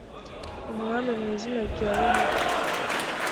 umwami mu izina rya yehova